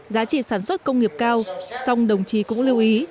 giá trị sản xuất công nghiệp cao song đồng chí cũng lưu ý